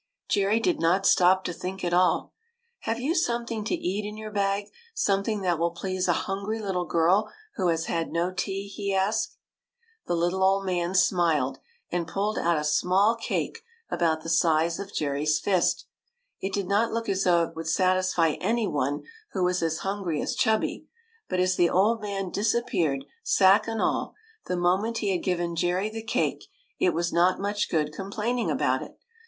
Jerry did not stop to think at all. " Have you something to eat in your bag, something that will please a hungry little girl who has had no tea ?" he asked. The little old man smiled and pulled out a small cake about the size of Jerry's fist. It did not look as though it would satisfy any one who was as hungry as Chubby; but as the old man disappeared, sack and all, the moment he had given Jerry the cake, it was not much good complaining about it.